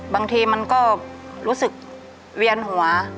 บางทีมันก็รู้สึกเวียนหัว